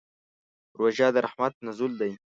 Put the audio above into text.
روژه د رحمت نزول دی.